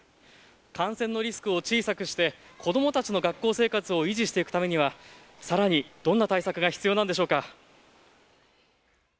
感染のリスクを小さくして子どもたちの学校生活を維持していくためにはさらに、どんな対策が必要なんでしょうか。